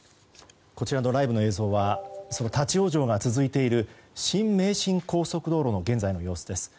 こちらのライブの映像は立ち往生が続いている新名神高速道路の現在の様子です。